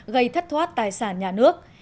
gây thất thoát tài sản nhà nước